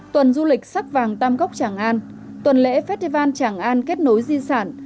tuần du lịch sắc vàng tam cốc tràng an tuần lễ festival tràng an kết nối di sản